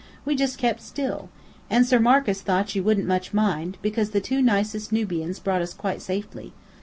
"We just kept still. And Sir Marcus thought you wouldn't much mind, because the two nicest Nubians brought us quite safely.